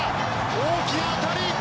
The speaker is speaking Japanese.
大きな当たり！